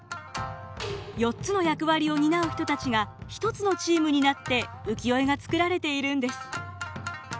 ４つの役割を担う人たちが１つのチームになって浮世絵が作られているんです。